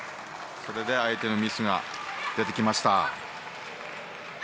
それで相手のミスが出てきました。